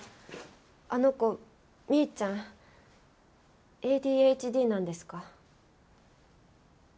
あの子未依ちゃんＡＤＨＤなんですか？